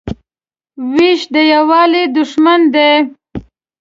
وېش د یووالي دښمن دی.